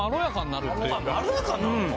まろやかになるの？